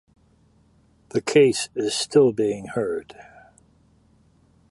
The case is still being heard.